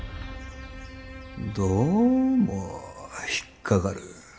どうも引っ掛かる。